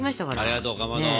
ありがとうかまど。